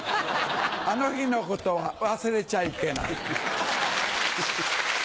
あの日の事は忘れちゃいけない。